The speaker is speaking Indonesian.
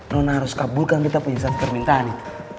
nona harus kabulkan kita punya satu permintaan itu